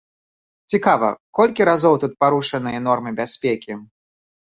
Цікава, колькі разоў тут парушаныя нормы бяспекі?